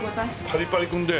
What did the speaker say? パリパリくんで。